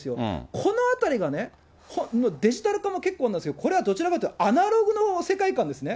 このあたりがね、デジタル化も結構なんですが、これはどちらかというとアナログの世界観ですね。